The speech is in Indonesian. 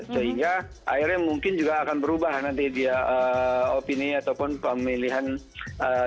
sehingga akhirnya mungkin juga akan berubah nanti dia opini ataupun pemilihan presiden